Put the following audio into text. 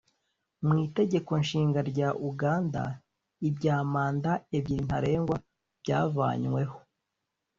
Mu Itegeko nshinga rya Uganda ibya manda ebyiri ntarengwa byavanyweho